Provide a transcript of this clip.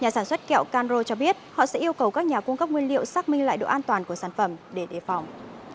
nhà sản xuất kẹo canro cho biết họ sẽ yêu cầu các nhà cung cấp nguyên liệu xác minh lại độ an toàn của sản phẩm để đề phòng